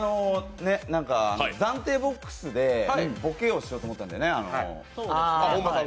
暫定ボックスでボケをしようと思ったんだよね。